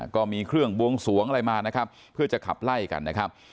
ก็มีเครื่องบวงสวงอะไรมานะครับเพื่อจะขับไล่กันนะครับ